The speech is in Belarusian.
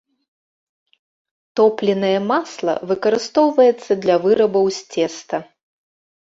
Топленае масла выкарыстоўваецца для вырабаў з цеста.